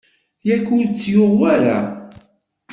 Yak ur tt-yuɣ wara?